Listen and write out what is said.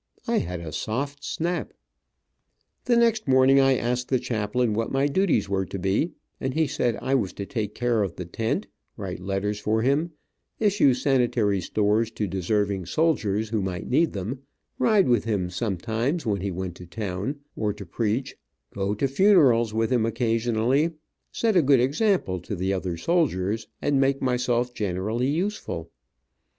I had a soft snap. The next morning I asked the chaplain what my duties were to be, and he said I was to take care of the tent, write letters for him, issue sanitary stores to deserving soldiers who might need them, ride with him sometimes when he went to town, or to preach, go to funerals with him occasionally, set a good example to the other soldiers, and make myself generally useful.